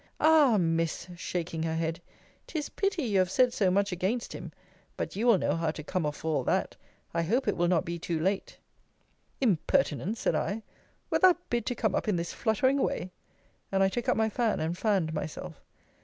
Ah! Miss, shaking her head, 'tis pity you have said so much against him! but you will know how to come off for all that! I hope it will not be too late! Impertinence! said I Wert thou bid to come up in this fluttering way? and I took up my fan, and fanned myself.